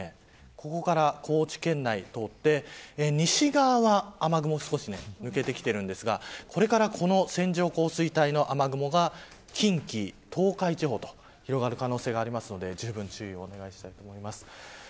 ここから高知県内を通って西側は雨雲が少し抜けてきているんですがこれからこの線状降水帯の雨雲が近畿、東海地方と広がる可能性がありますのでじゅうぶん注意をお願いします。